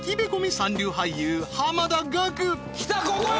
三流俳優濱田岳来たここよ！